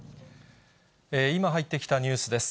今入ってきたニュースです。